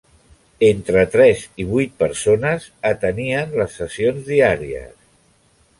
Entre tres i vuit persones atenien les sessions diàries.